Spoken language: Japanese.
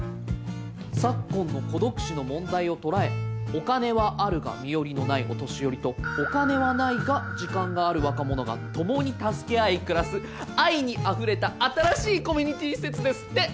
「昨今の孤独死の問題を捉え“お金はあるが身寄りのないお年寄り”と“お金はないが時間がある若者”が共に助け合い暮らす愛にれた新しいコミュニティ施設」ですって！